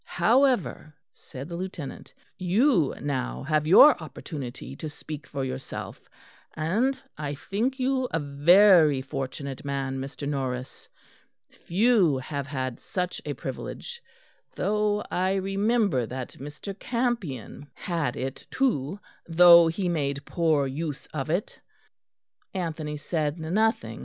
"However," said the Lieutenant, "you now have your opportunity to speak for yourself, and I think you a very fortunate man, Mr. Norris. Few have had such a privilege, though I remember that Mr. Campion had it too, though he made poor use of it." Anthony said nothing.